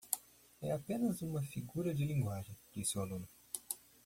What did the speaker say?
É apenas uma figura de linguagem, disse o aluno.